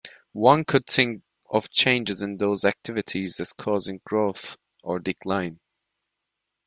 One could think of changes in those activities as causing growth or decline.